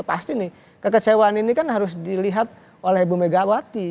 pasti nih kekecewaan ini kan harus dilihat oleh ibu megawati